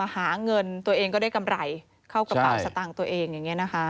หาเงินตัวเองก็ได้กำไรเข้ากระเป๋าสตางค์ตัวเองอย่างนี้นะคะ